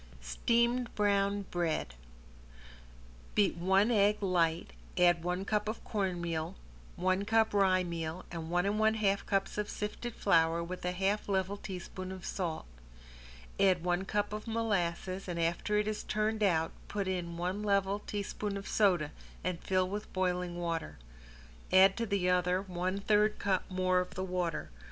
~STEAMED BROWN BREAD~ Beat one egg light, add one cup of cornmeal, one cup rye meal and one and one half cups of flour sifted with a half level teaspoon of salt. Add one cup of molasses, and after it is turned out put in one level teaspoon of soda and fill with boiling water. Add to the other one third cup more of the water.